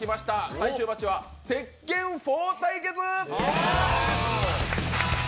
最終マッチは「鉄拳４」対決！